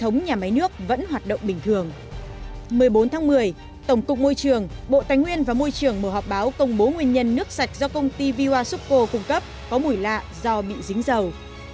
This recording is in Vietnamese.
hà nội đã công bố nguyên nhân nước sạch do công ty vioasucco cung cấp có mùi lạ do bị dính dầu